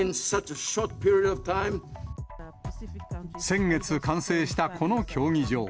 先月、完成したこの競技場。